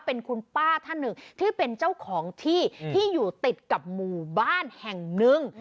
เป็นคุณป้าท่านหนึ่งที่เป็นเจ้าของที่ที่อยู่ติดกับหมู่บ้านแห่งหนึ่ง